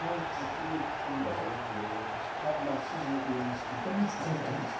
６二金打つかまあ筋よく４一金と打つか。